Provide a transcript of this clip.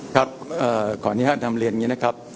ขออนุญาตนำเรียนอย่างนี้นะครับ